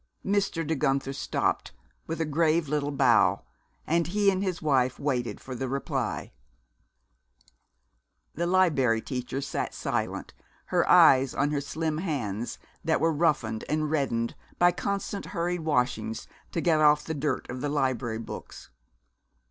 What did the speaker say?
Mr. De Guenther stopped with a grave little bow, and he and his wife waited for the reply. The Liberry Teacher sat silent, her eyes on her slim hands, that were roughened and reddened by constant hurried washings to get off the dirt of the library books.